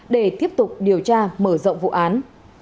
để tiếp tục điều tra mở rộng vụ án